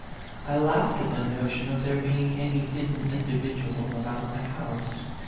I laughed at the no tion of there being any hidden individual about the house.